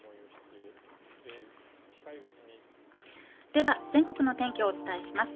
では全国の天気をお伝えします。